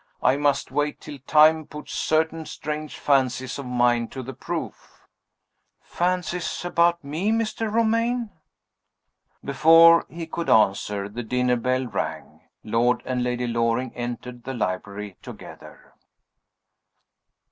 I must wait till time puts certain strange fancies of mine to the proof." "Fancies about me, Mr. Romayne?" Before he could answer, the dinner bell rang. Lord and Lady Loring entered the library together.